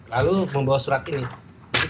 lalu membawa surat ini jadi kita tidak